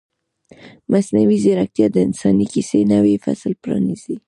مصنوعي ځیرکتیا د انساني کیسې نوی فصل پرانیزي.